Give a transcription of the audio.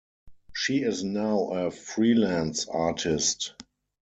She is now a freelance artist.